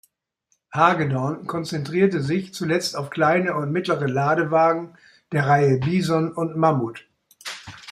Hagedorn konzentrierte sich zuletzt auf kleine und mittlere Ladewagen der Reihe "Bison" und "Mammut".